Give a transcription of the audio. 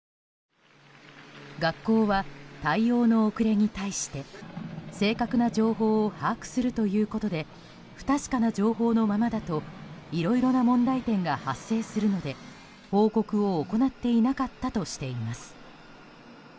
学校は、対応の遅れに対して正確な情報を把握するということで不確かな情報のままだといろいろな問題点が発生するので報告を行っていなかったとしています。